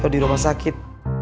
di rumah sakit